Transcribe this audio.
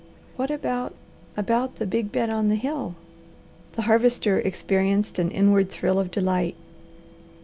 "What about about the big bed on the hill?" The Harvester experienced an inward thrill of delight.